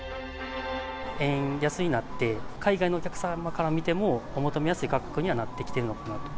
円安になって、海外のお客様から見てもお求めやすい価格にはなってきてるのかなと。